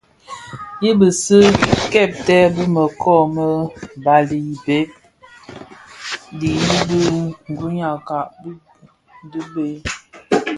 I bisi kèbtè bi mëkoo më bali yi bheg yidhi guňakka di bë.